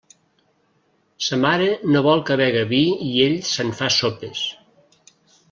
Sa mare no vol que bega vi i ell se'n fa sopes.